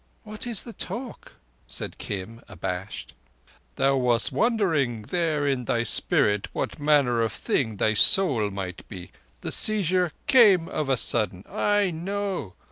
"What is the talk?" said Kim, abashed. "Thou wast wondering there in thy spirit what manner of thing thy soul might be. The seizure came of a sudden. I know.